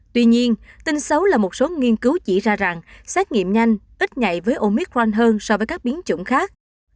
tuy nhiên tình xấu là một số nghiên cứu chỉ ra rằng xét nghiệm nhanh ít nhạy với omicron hơn so với các biến chủng khác